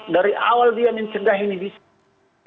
dari awal dia mencedah ini bisa